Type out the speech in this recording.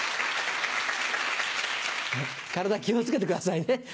体気を付けてくださいね。